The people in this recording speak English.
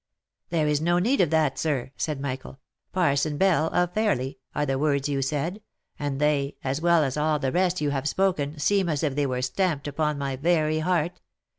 " There is no need of that, sir," said Michael ;" Parson Bell, of Fairly, are the words you said, and they, as well as all the rest you have spoken, seem as if they were stamped upon my very heart.